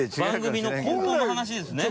番組の根本の話ですね。